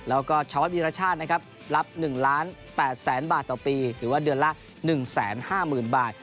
แล้วก็ชาวดีรชาตินะครับรับหนึ่งล้านแปดแสนบาทต่อปีหรือว่าเดือนละหนึ่งแสนห้าหมื่นบาท